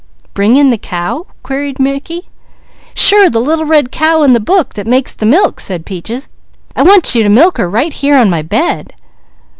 "Bring in the cow?" queried Mickey. "Sure, the little red cow in the book that makes the milk. I want you to milk her right here on my bed!"